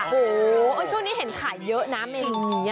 โอ้โหตอนนี้เห็นขายเยอะนะแม่ง